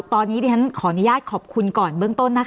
ตอนนี้ดิฉันขออนุญาตขอบคุณก่อนเบื้องต้นนะคะ